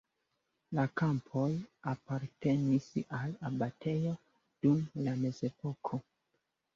La kampoj apartenis al abatejo dum la mezepoko.